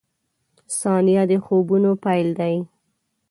• ثانیه د خوبونو پیل دی.